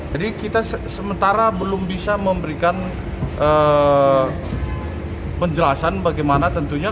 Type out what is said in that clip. jadi kita sementara belum bisa memberikan penjelasan bagaimana tentunya